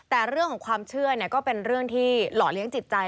แต่เรื่องของความเชื่อก็เป็นเรื่องที่หล่อเลี้ยงจิตใจ